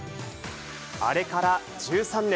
あれから１３年。